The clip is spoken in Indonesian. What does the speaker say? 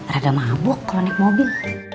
rada mabuk kalau naik mobil